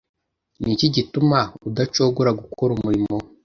Ni iki gituma udacogora gukora umurimo